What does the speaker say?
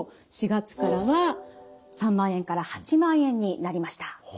４月からは３万円から８万円になりました。